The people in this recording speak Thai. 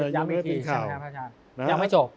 ยังไม่จบ